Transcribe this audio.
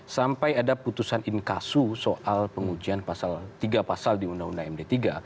sampai ada putusan inkasu soal pengujian tiga pasal di undang undang md tiga